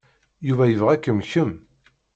Yuba yebɣa-kem kemm.